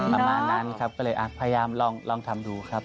ประมาณนั้นครับก็เลยพยายามลองทำดูครับ